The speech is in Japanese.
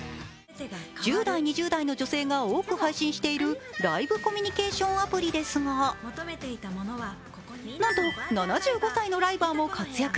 １０代、２０代の女性が多く配信しているライブコミュニケーションアプリですがなんと７５歳のライバーも活躍。